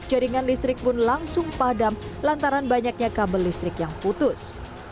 jaringan listrik pun langsung padam lantaran banyaknya kabel listrik yang putus